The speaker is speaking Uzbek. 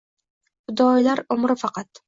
Fidoyilar umri fakat